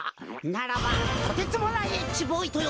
ならば「とてつもないＨボーイ」とよぼう！